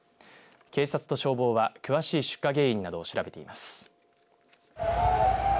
警察と消防は詳しい出火原因などを調べています。